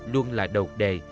luôn là đầu đề